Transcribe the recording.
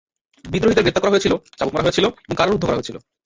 বিদ্রোহীদের গ্রেপ্তার করা হয়েছিল, চাবুক মারা হয়েছিল এবং কারারুদ্ধ করা হয়েছিল।